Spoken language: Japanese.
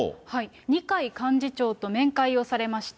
二階幹事長と面会をされました。